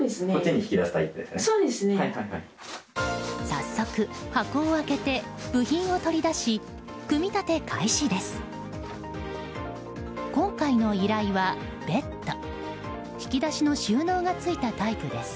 早速、箱を開けて部品を取り出し組み立て開始です。